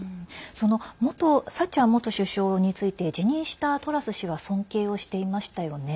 そのサッチャー元首相について辞任したトラス氏は尊敬をしていましたよね。